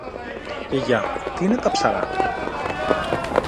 Γιαγιά, τι είναι τα Ψαρά;